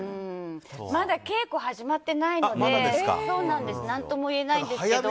まだ稽古始まっていないので何とも言えないですけど。